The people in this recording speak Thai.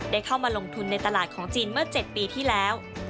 เข้ามาลงทุนในตลาดของจีนเมื่อ๗ปีที่แล้ว